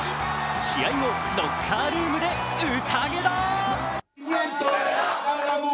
試合後、ロッカールームでうたげだ！